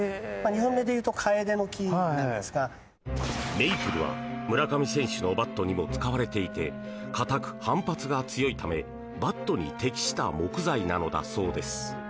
メイプルは、村上選手のバットにも使われていて硬く、反発が強いためバットに適した木材なのだそうです。